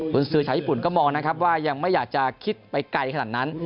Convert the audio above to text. คุณซื้อชาวญี่ปุ่นก็มองนะครับว่ายังไม่อยากจะคิดไปไกลขนาดนั้น